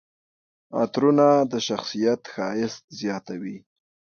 عطرونه د شخصیت ښایست زیاتوي.